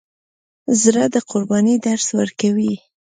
زړه د قربانۍ درس ورکوي.